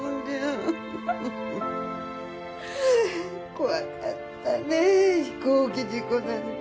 怖かったね飛行機事故なんて。